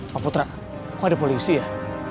pak putra kok ada polisi ya